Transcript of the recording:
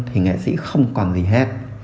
thì nghệ sĩ không còn gì hết